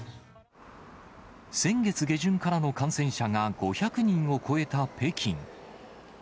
先月下旬からの感染者が５００人を超えた北京。